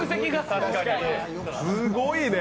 すごいね。